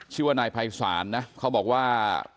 ชื่อว่านายภัยศาลนะเขาบอกว่า